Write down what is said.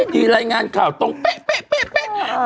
ดีรายงานข่าวตรงเป๊ะ